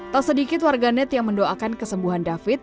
tak sedikit warganet yang mendoakan kesembuhan david